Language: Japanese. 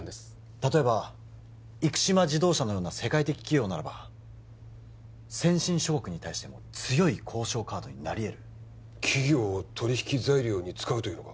例えば生島自動車のような世界的企業ならば先進諸国に対しても強い交渉カードになりえる企業を取引材料に使うというのか？